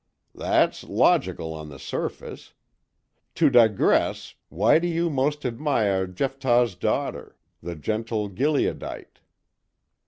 "That's logical, on the surface. To digress, why do you most admire Jephthah's daughter, the gentle Gileadite?"